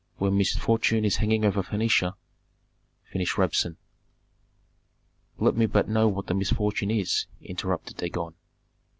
"When misfortune is hanging over Phœnicia " finished Rabsun. "Let me but know what the misfortune is," interrupted Dagon.